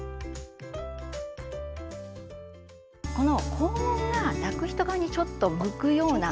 この肛門が抱く人側にちょっと向くような。